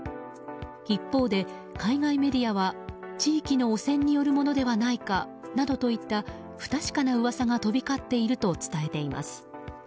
一方で、海外メディアは地域の汚染によるものではないかなどとといった不確かな噂が飛び交っていると伝えています。